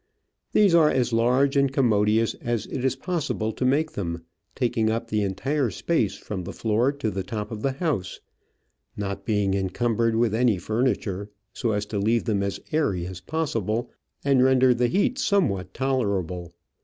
These are as large and commodious as it is possible to make them. Digitized by VjOOQIC 42 Travels and Adventures taking up the entire space from the floor to the top of the house ; not being encumbered with any furniture, so as to leave them as airy as possible, and render the heat somewhat tolerable.